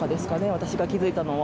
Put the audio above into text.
私が気付いたのは。